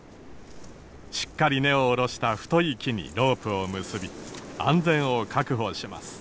しっかり根を下ろした太い木にロープを結び安全を確保します。